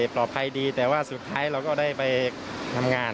ปลอดภัยดีแต่ว่าสุดท้ายเราก็ได้ไปทำงาน